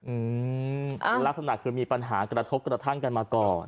อืมคือลักษณะคือมีปัญหากระทบกระทั่งกันมาก่อน